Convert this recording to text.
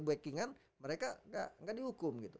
backingan mereka gak dihukum